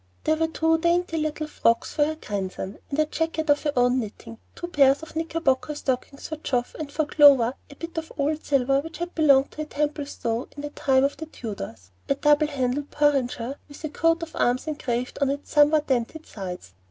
There were two dainty little frocks for her grandson, and a jacket of her own knitting, two pairs of knickerbocker stockings for Geoff, and for Clover a bit of old silver which had belonged to a Templestowe in the time of the Tudors, a double handled porringer with a coat of arms engraved on its somewhat dented sides.